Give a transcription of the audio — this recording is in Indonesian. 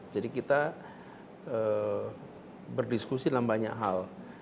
jadi kita berdiskusi dalam banyak hal